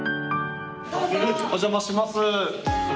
お邪魔します。